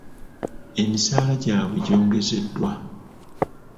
Emisaala gyabwe gyongezeddwa.